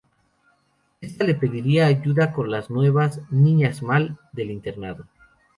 Esta le pedirá ayuda con las nuevas ""Niñas mal"" del internado.